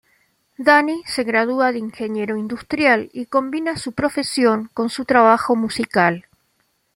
Danny se gradúa de Ingeniero Industrial y combina su profesión con su trabajo musical.